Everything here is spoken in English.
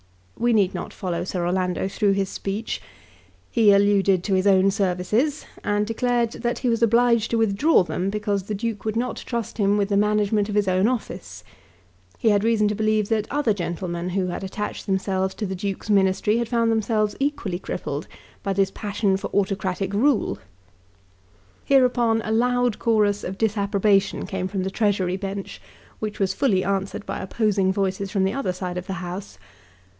We need not follow Sir Orlando through his speech. He alluded to his own services, and declared that he was obliged to withdraw them because the Duke would not trust him with the management of his own office. He had reason to believe that other gentlemen who had attached themselves to the Duke's Ministry had found themselves equally crippled by this passion for autocratic rule. Hereupon a loud chorus of disapprobation came from the Treasury bench, which was fully answered by opposing noises from the other side of the House.